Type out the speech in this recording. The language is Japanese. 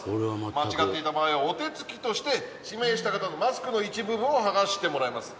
間違っていた場合はお手つきとして指名した方のマスクの一部分を剥がしてもらいます